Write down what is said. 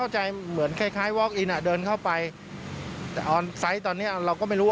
จะเปลี่ยนระบบอะไรก็เปลี่ยนไป